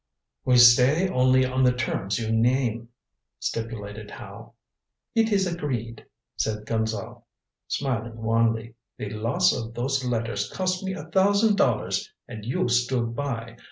"We stay only on the terms you name," stipulated Howe. "It is agreed," said Gonzale, smiling wanly. "The loss of those letters cost me a thousand dollars and you stood by.